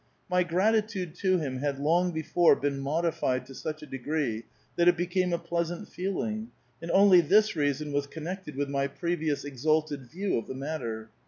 My gratitude to him had long be fore been modified to. such a degree that it became a pleas ant feeling ; and only this reason was connected with my previous exalted view of the matter.